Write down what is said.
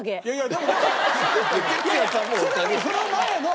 いやいやでも。